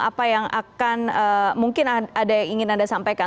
apa yang akan mungkin ada yang ingin anda sampaikan